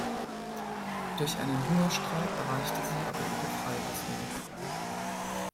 Durch einen Hungerstreik erreichte sie aber ihre Freilassung.